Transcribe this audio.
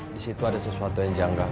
disitu ada sesuatu yang janggak